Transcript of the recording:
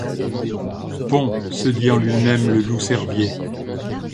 Pon! se dit en lui-même le Loup-cervier.